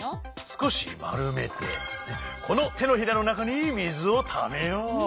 すこしまるめてこのてのひらのなかにみずをためよう。